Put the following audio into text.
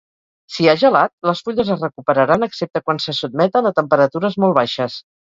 Si ha gelat, les fulles es recuperaran excepte quan se sotmeten a temperatures molt baixes.